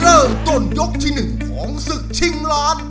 เริ่มต้นยกที่๑ของศึกชิงล้าน